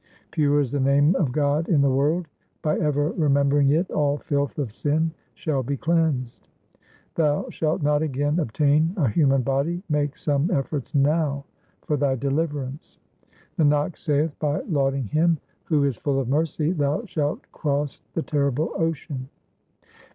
Pure is the name of God in the world ; by ever remember ing it all filth of sin shall be cleansed. Thou shalt not again obtain a human body ; make some efforts now for thy deliverance. Nanak saith, by lauding Him who is full of mercy thou shalt cross the terrible ocean.